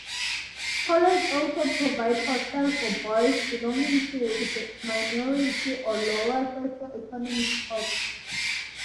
College also provide hostel for boys belonging to minority or lower socioeconomic culture.